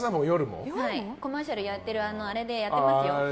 コマーシャルやってるあれでやってますよ。